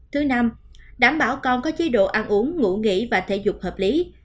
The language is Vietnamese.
thứ năm đảm bảo con có chế độ ăn uống ngủ nghỉ và thể dục hợp lý